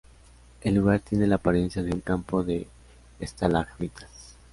El lugar tiene la apariencia de un campo de estalagmitas.